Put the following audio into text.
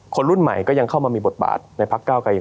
คนรุ่นใหม่ก็ยังเข้ามามีบทบาทในพักเก้าไกร